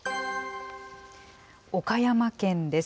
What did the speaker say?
岡山県です。